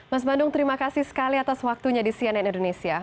mas bandung terima kasih sekali atas waktunya di cnn indonesia